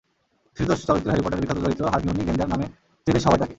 শিশুতোষ চলচ্চিত্র হ্যারি পটারের বিখ্যাত চরিত্র হারমিওনি গ্রেঞ্জার নামে চেনে সবাই তাঁকে।